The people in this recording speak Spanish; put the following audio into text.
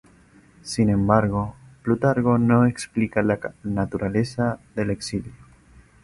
Sin embargo, Plutarco no explica la naturaleza del exilio.